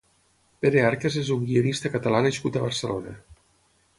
Pere Arcas és un guionista catalá nascut a Barcelona.